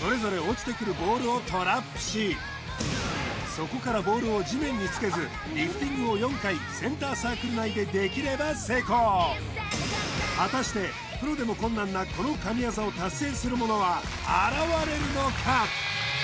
それぞれそこからボールを地面につけずリフティングを４回センターサークル内でできれば成功果たしてプロでも困難なこの神業を達成する者は現れるのか？